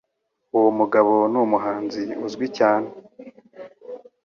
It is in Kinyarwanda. Uwo mugabo numuhanzi uzwi cyane.